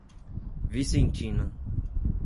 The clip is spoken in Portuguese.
Vicentina